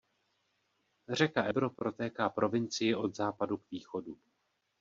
Řeka Ebro protéká provincii od západu k východu.